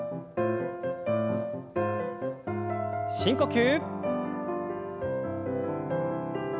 深呼吸。